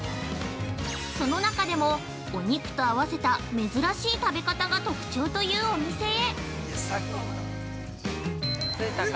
その中でも、お肉と合わせた珍しい食べ方が特徴というお店へ。